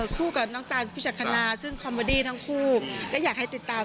คู่กับน้องตานพิเชษะคณา